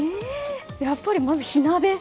やっぱり、まず火鍋。